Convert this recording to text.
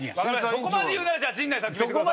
そこまで言うなら陣内さん。